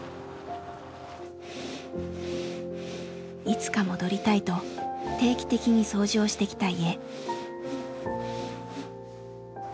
いつか戻りたいと定期的に掃除をしてきた家。